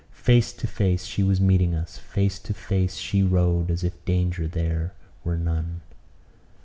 Face to face she was meeting us; face to face she rode, as if danger there were none.